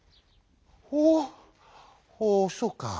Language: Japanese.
「おうそうか。